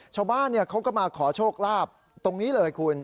ชาวบ้านเขาก็มาขอโชคลาภตรงนี้เลยคุณ